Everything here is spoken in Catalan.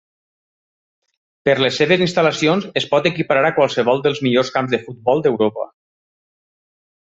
Per les seves instal·lacions es pot equiparar a qualsevol dels millors camps de futbol d'Europa.